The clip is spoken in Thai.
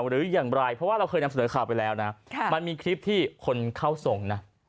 หรืออย่างไรเพราะว่าเราเคยนำเสนอข่าวไปแล้วนะมันมีคลิปที่คนเข้าทรงนะ